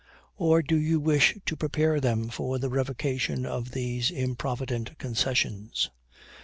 Or do you wish to prepare them for the revocation of these improvident concessions?